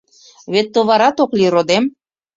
— Вет товарат ок лий, родем!